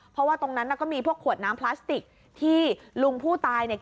เพราะว่าตรงนั้นน่ะก็มีพวกขวดน้ำพลาสติกที่ลุงผู้ตายเนี่ย